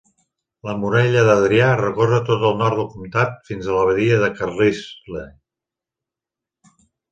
La muralla d'Adrià recorre tot el nord del comtat fins a la badia de Carlisle.